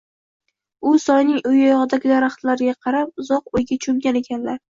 va soyning u yog’idagi daraxtlarga karab, uzoq o’yga cho’mgan ekanlar